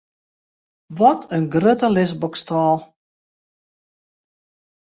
Wat in grutte lisboksstâl!